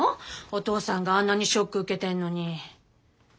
おとうさんがあんなにショック受けてんのに。